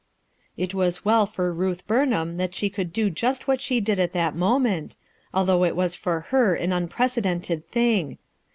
It was well for Ruth Burnham that she could do just what she did at that moment, although it was for her an unprecedented thing.